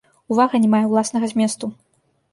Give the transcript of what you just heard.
Увага не мае ўласнага зместу.